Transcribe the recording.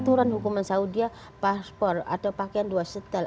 aturan hukuman saudi paspor atau pakaian dua setel